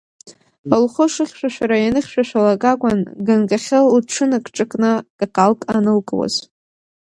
Лхәы шыхьшәашәара ианыхьшәашәалак акәын, ганкахьы лҽыныкҿакны какалк анылкуаз.